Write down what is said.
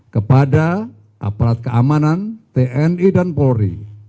kepada aparat keamanan tni dan polri